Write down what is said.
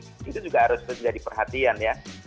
itu juga harus menjadi perhatian ya